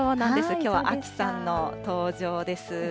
きょうは秋さんの登場です。